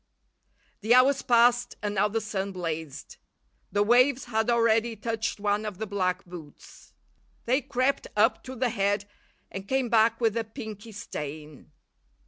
The hours passed, and now the sun blazed. The waves had already touched one of the black boots. They crept up to the head and came back with a pinky stain.